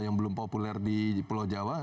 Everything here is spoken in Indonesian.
yang belum populer di pulau jawa